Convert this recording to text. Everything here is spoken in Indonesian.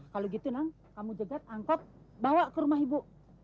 kalau gitu nang kamu jegat angkot bawa ke rumah ibu